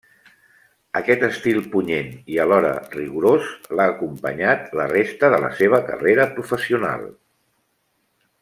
Aquest estil punyent i alhora rigorós l'ha acompanyat la resta de la seva carrera professional.